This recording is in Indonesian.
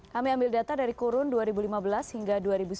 kami ambil data dari kurun dua ribu lima belas hingga dua ribu sembilan belas